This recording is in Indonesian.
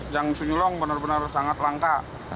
yang sunyulong benar benar sangat rangka